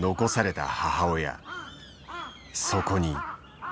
そこに。